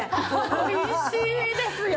おいしいですよ。